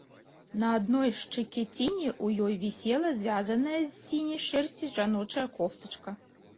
На адной шчыкеціне ў ёй вісела звязаная з сіняй шэрсці жаночая кофтачка.